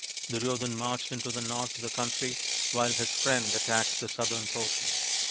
Duryodhan marched into the north of the country while his friend attacked the southern portion.